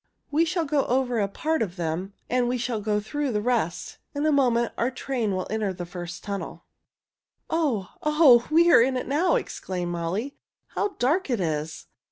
"We shall go over a part of them and we shall go through the rest. In a moment our train will enter the first tunnel." "Oh! Oh! We are in it now!" exclaimed Molly. "How dark it is!"